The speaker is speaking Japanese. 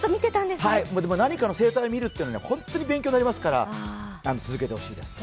でも何かの生態を見るというのは本当に勉強になりますから続けてほしいです。